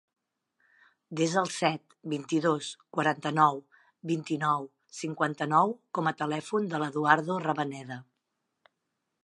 Desa el set, vint-i-dos, quaranta-nou, vint-i-nou, cinquanta-nou com a telèfon de l'Eduardo Rabaneda.